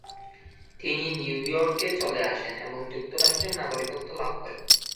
তিনি নিউইয়র্কে চলে আসেন, এবং যুক্তরাষ্ট্রের নাগরিকত্ব লাভ করেন।